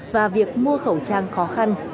và việc mua khẩu trang khó khăn